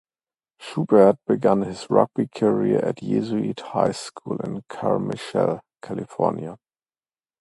Schubert began his rugby career at Jesuit High School in Carmichael, California.